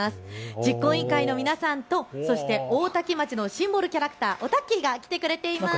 実行委員会の皆さんと、そして大多喜町のシンボルキャラクター、おたっきーが来てくれています。